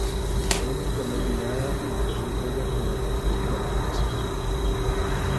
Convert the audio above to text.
En fue nominada al Premio Goya como mejor película de animación.